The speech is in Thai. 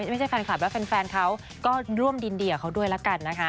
ไม่ใช่แฟนคลับและแฟนเขาก็ร่วมยินดีกับเขาด้วยละกันนะคะ